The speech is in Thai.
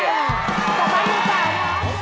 กลับมานู่นต่อ